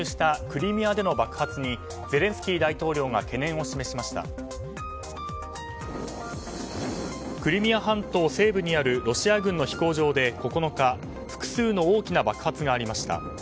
クリミア半島西部にあるロシア軍の飛行場で９日、複数の大きな爆発がありました。